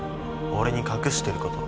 俺に隠してること。